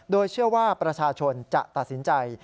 โดยเชื่อว่าประชาชนจะตัดสินใจ